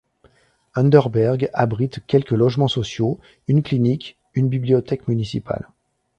Underberg abritte quelques logements sociaux, une clinique, une bibliothèque municipale.